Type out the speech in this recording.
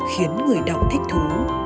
khiến người đọc thích thú